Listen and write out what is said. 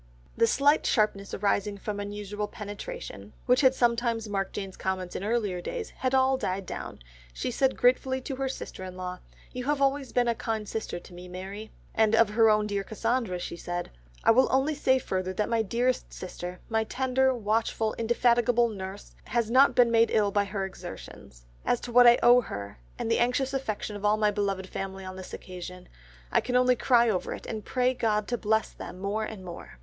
The slight sharpness arising from unusual penetration, which had sometimes marked Jane's comments in earlier days, had all died down, she said gratefully to her sister in law, "You have always been a kind sister to me, Mary," and of her own dear Cassandra she said, "I will only say further that my dearest sister, my tender, watchful, indefatigable nurse, has not been made ill by her exertions. As to what I owe her, and the anxious affection of all my beloved family on this occasion, I can only cry over it, and pray God to bless them more and more."